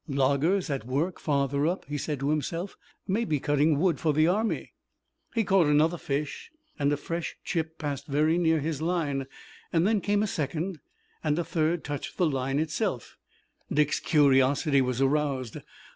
"Loggers at work farther up," he said to himself. "May be cutting wood for the army." He caught another fish and a fresh chip passed very near his line. Then came a second, and a third touched the line itself. Dick's curiosity was aroused.